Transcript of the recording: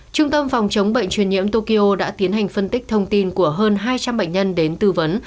trung tâm phòng chống bệnh truyền nhiễm tokyo đã tiến hành phân tích thông tin của hơn hai trăm linh bệnh nhân đến tư vấn